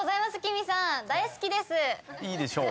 いいでしょう。